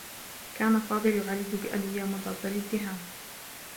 كان فاضل يُعالج بأدوية مضادّة للذّهان.